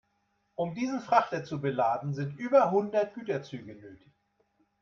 Um diesen Frachter zu beladen, sind über hundert Güterzüge nötig.